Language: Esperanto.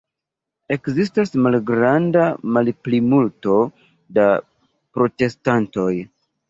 Ekzistas malgranda malplimulto da protestantoj.